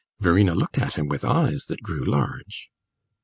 Verena looked at him with eyes that grew large.